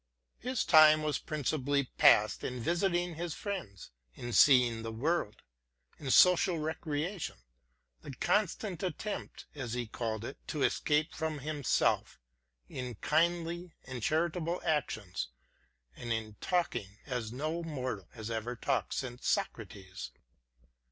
His time was principally passed in visiting his friends, in seeing the world, in social recreation — the constant attempt, as he called it, to escape from himself, in kindly and charitable actions and in talking as no mortal has ever talked since Socrates.